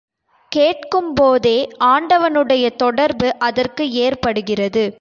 கேட்கும்போதே ஆண்டவனுடைய தொடர்பு அதற்கு ஏற்படுகிறது.